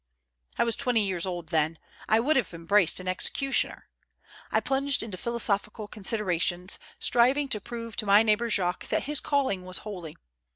I was twenty years old then, I would have embraced an executioner. I plunged into philosophical considera tions, striving to prove to my neighbor Jacques that his calling was holy.